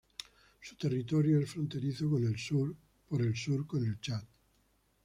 Su territorio es fronterizo por el sur con Chad.